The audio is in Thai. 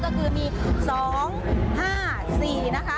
ก็คือมี๒๕๔นะคะ